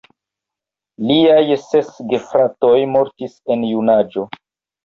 Liaj ses gefratoj mortis en junaĝo.